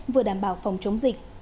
vừa đảm bảo phòng chống dịch